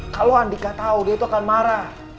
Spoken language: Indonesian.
kalau andika tau dia tuh akan marah